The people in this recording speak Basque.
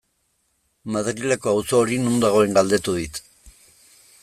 Madrileko auzo hori non dagoen galdetu dit.